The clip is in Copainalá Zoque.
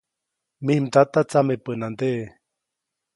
Mij mdata tsameʼpänandeʼe.